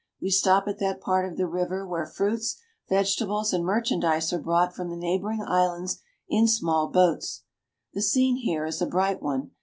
We stop at that part of the river where fruits, vegetables, and merchandise are brought from the neighboring islands in small boats. The scene here is a bright one.